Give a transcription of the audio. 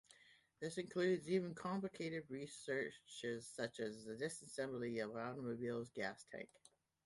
This includes even complicated searches such as the disassembly of an automobile's gas tank.